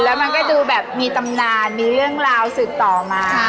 แล้วมันก็ดูแบบมีตำนานมีเรื่องราวสืบต่อมา